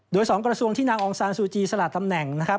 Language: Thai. โดย๒กระทรวงที่นางองซานซูจีสละตำแหน่งนะครับ